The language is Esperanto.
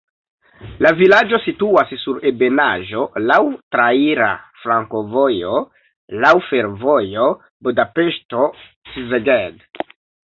La vilaĝo situas sur ebenaĵo, laŭ traira flankovojo, laŭ fervojo Budapeŝto-Szeged.